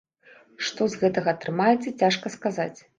Што з гэтага атрымаецца, цяжка сказаць.